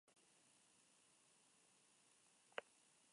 Dos videojuegos continuaron el argumento luego de este juego.